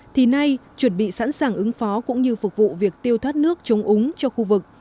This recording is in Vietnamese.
thì nay chuẩn bị sẵn sàng ứng phó cũng như phục vụ việc tiêu thoát nước chống úng cho khu vực